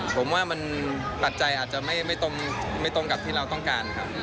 ผมว่ามันปัจจัยอาจจะไม่ตรงกับที่เราต้องการครับ